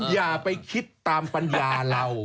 อย่าไปคิดตามปัญญาเรา